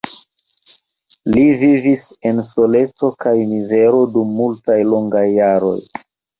Li vivis en soleco kaj mizero dum multaj longaj jaroj.